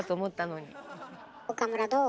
岡村どう？